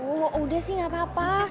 oh udah sih gak apa apa